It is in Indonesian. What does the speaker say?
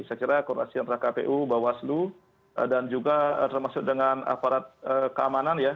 saya kira koordinasi antara kpu bawaslu dan juga termasuk dengan aparat keamanan ya